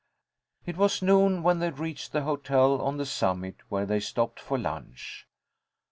It was noon when they reached the hotel on the summit where they stopped for lunch.